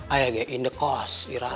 ayah kayak in the kos irah